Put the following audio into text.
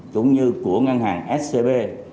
cũng như của ngân hàng scb